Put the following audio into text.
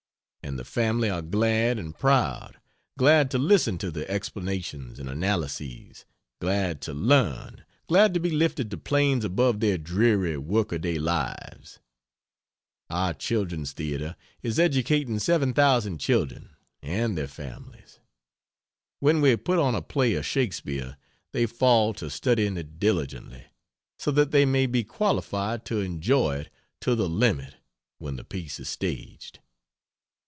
And the family are glad and proud; glad to listen to the explanations and analyses, glad to learn, glad to be lifted to planes above their dreary workaday lives. Our children's theatre is educating 7,000 children and their families. When we put on a play of Shakespeare they fall to studying it diligently; so that they may be qualified to enjoy it to the limit when the piece is staged.